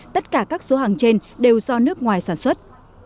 tất cả các số hàng trên đều do nước ngoài sản xuất